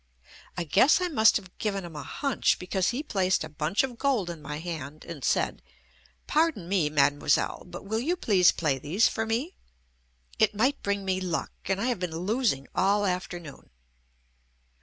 I guess I must have given him a "hunch" because he placed a bunch of gold in my hand and said, "Pardon me, Mademoiselle, but will you please play these for me. It might bring me luck, and I have been losing all afternoon."